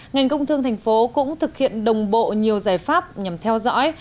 ngành công thương thành phố cũng thực hiện đồng bộ nhiều giải pháp nhằm theo dõi